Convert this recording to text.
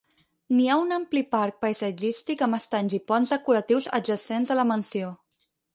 N'hi ha un ampli parc paisatgístic amb estanys i ponts decoratius adjacents a la mansió.